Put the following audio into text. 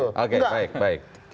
oke baik baik